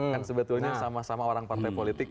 kan sebetulnya sama sama orang partai politik